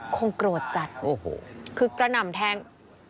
คงโกรธจัดคือกระหน่ำแทง